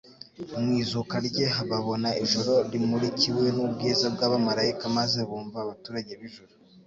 mu izuka rye babona ijoro rimurikiwe n'ubwiza bw'abamaraika maze bumva abaturage b'ljuru